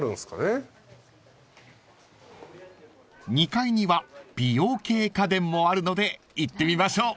［２階には美容系家電もあるので行ってみましょう］